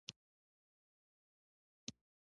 بيا زورورې خندا په خوړ کې انګازې وکړې.